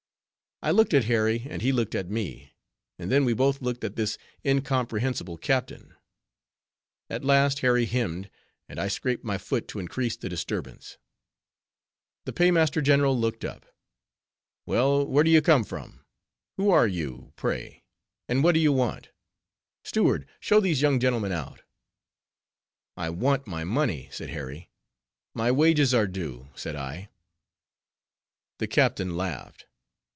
I looked at Harry, and he looked at me; and then we both looked at this incomprehensible captain. At last Harry hemmed, and I scraped my foot to increase the disturbance. The Paymaster general looked up. "Well, where do you come from? Who are you, pray? and what do you want? Steward, show these young gentlemen out." "I want my money," said Harry. "My wages are due," said I. The captain laughed.